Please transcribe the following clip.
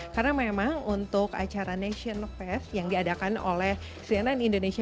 karena memang untuk acara nation fast yang diadakan oleh cnn indonesia